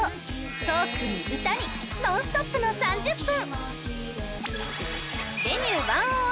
トークに、歌にノンストップの３０分！